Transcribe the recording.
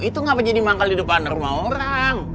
itu ngapa jadi manggal di depan rumah orang